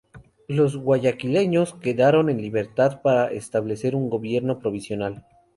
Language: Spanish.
Los guayaquileños quedaron en libertad para establecer un gobierno provisional.